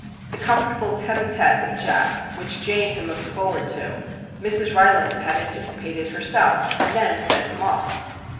The comfortable tte a t$te with Jack, which Jane had looked forward to, Mrs. Rylands had anticipated herself, and then sent him off!